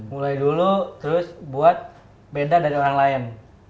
mulai dulu terus buat beda dari orang lain